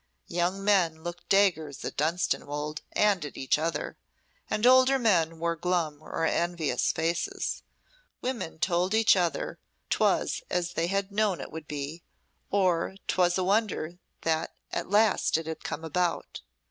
Young men looked daggers at Dunstanwolde and at each other; and older men wore glum or envious faces. Women told each other 'twas as they had known it would be, or 'twas a wonder that at last it had come about.